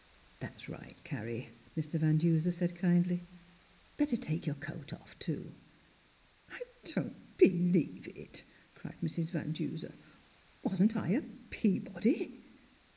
" That's right, Carrie," Mr. Van Duser said kindly. " Better take your coat off, too." " I don't believe it," cried Mrs. Van Duser. "Wasn't I a Peabody?